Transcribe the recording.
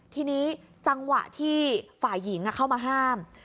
ทีนี้จังหวะที่ฝ่ายหญิงเข้ามาห้าม